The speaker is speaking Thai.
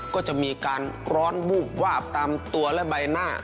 ก็จะมีการร้อนวูบวาบตามตัวและใบหน้า